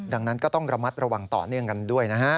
ดังนั้นก็ต้องระมัดระวังต่อเนื่องกันด้วยนะฮะ